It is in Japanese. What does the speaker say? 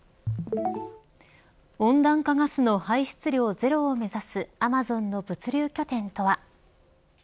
温暖化ガスの排出量ゼロを目指すアマゾンの物流拠点とは。